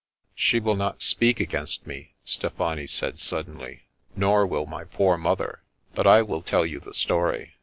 " She will not speak against me,'' Stefani said suddenly, "nor will my poor mother. But I will tell you the story.